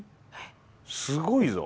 すごいぞ。